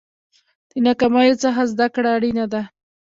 د ناکامیو څخه زده کړه اړینه ده.